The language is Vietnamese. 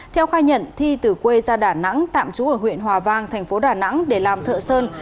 theo khai nhận thi từ quê ra đà nẵng tạm trú ở huyện hòa vang thành phố đà nẵng để làm thợ sơn